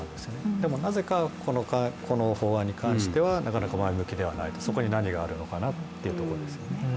でもなぜかこの法案に関してはなかなか前向きではない、そこに何があるのかなというところですね。